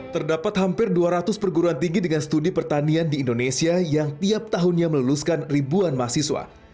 terdapat hampir dua ratus perguruan tinggi dengan studi pertanian di indonesia yang tiap tahunnya meluluskan ribuan mahasiswa